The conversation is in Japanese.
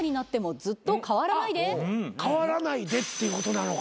変わらないでっていうことなのか。